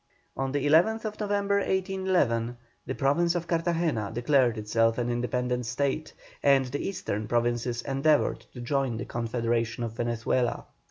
On the 11th November, 1811, the Province of Cartagena declared itself an independent State, and the Eastern Provinces endeavoured to join the Confederation of Venezuela.